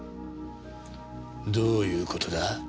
どういう事だ？